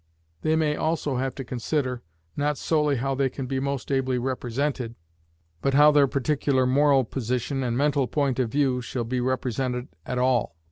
They may also have to consider, not solely how they can be most ably represented, but how their particular moral position and mental point of view shall be represented at all.